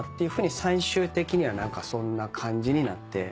最終的には何かそんな感じになって。